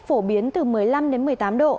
phổ biến từ một mươi năm một mươi tám độ